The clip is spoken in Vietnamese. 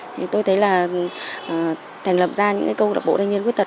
thì tôi thấy là thành lập ra những câu lạc bộ thanh niên khuyết tật